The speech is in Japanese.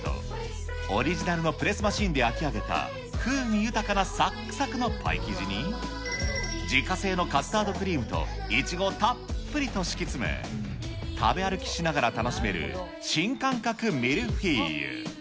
オリジナルのプレスマシーンで焼き上げた風味豊かなさっくさくのパイ生地に、自家製のカスタードクリームとイチゴをたっぷりと敷き詰め、食べ歩きしながら楽しめる新感覚ミルフィーユ。